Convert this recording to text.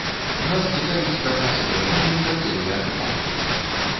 Нас цікавіць, каб нашу тэрыторыю пакінулі акупанты.